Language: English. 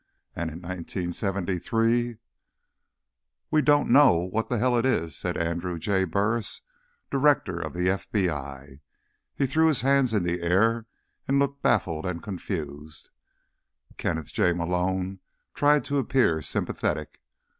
And, in 1973: "We don't know what the hell it is," said Andrew J. Burris, Director of the FBI. He threw his hands in the air and looked baffled and confused. Kenneth J. Malone tried to appear sympathetic.